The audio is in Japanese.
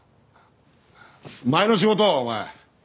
前の仕事お前